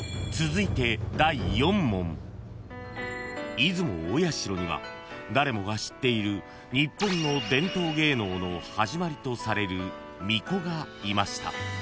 ［出雲大社には誰もが知っている日本の伝統芸能の始まりとされる巫女がいました］